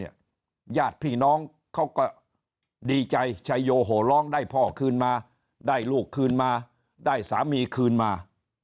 ญาติพี่น้องเขาก็ดีใจชัยโยโหร้องได้พ่อคืนมาได้ลูกคืนมาได้สามีคืนมา